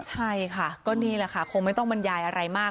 ใช่ค่ะก็นี่แหละค่ะคงไม่ต้องบรรยายอะไรมาก